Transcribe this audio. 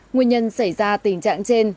nguyên nhân xảy ra tình trạng trên